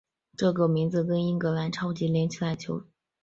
这个名字跟英格兰超级联赛球队纽卡斯尔联足球俱乐部的一样。